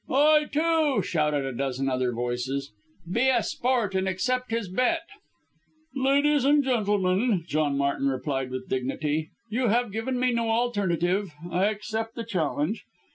"I too!" shouted a dozen other voices. "Be a sport and accept his bet!" "Ladies and gentlemen," John Martin replied with dignity, "you have given me no alternative; I accept the challenge.